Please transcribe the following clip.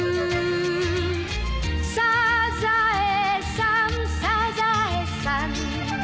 「サザエさんサザエさん」